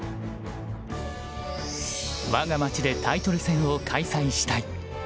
我が町でタイトル戦を開催したい。